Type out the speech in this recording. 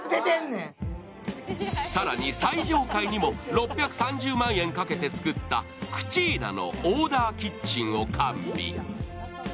更に、最上階にも６３０万円かけて作ったクチーナのオーダーキッチンを完備。